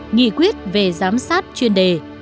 nghị quyết về giám sát chuyên đề